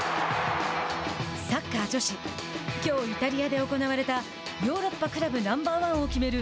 サッカー女子きょうイタリアで行われたヨーロッパクラブナンバー１を決める